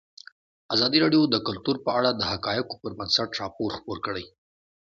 ازادي راډیو د کلتور په اړه د حقایقو پر بنسټ راپور خپور کړی.